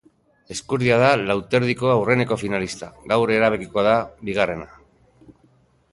Ezkurdia da Lau eta Erdiko aurreneko finalista; gaur erabakiko da bigarrena.